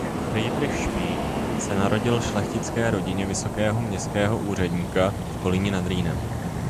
Friedrich Spee se narodil v šlechtické rodině vysokého městského úředníka v Kolíně nad Rýnem.